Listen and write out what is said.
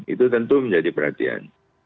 itu tentu menjadi perhatian